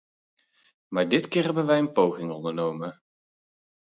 Maar dit keer hebben wij een poging ondernomen.